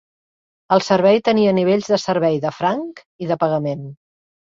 El servei tenia nivells de servei de franc i de pagament.